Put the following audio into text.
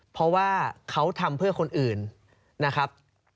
เพราะว่าเขาทำเพื่อคนอื่นนะครับ